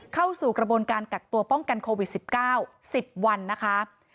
เข้าสู่กระบวนการกักตัวป้องกันโควิด๑๙๑๐วันนะคะ